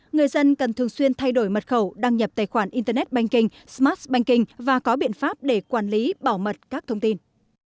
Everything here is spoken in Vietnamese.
người dân cần thường xuyên thay đổi mật khẩu đăng nhập tài khoản internet banking smart banking và có biện pháp để quản lý bảo mật các thông tin